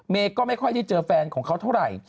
ก็ไม่ค่อยได้เจอแฟนของเขาเท่าไหร่